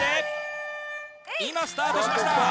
今スタートしました！